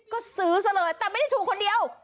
ก็ซื้อซะเลยแต่ไม่ได้ถูกคนเดียว